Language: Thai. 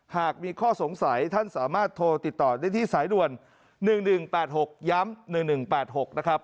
หากมีข้อสงสัยท่านสามารถโทรติดต่อได้ที่สายด่วน๑๑๘๖ย้ำ๑๑๘๖นะครับ